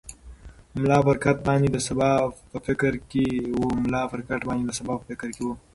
ملا پر کټ باندې د سبا په فکر کې و.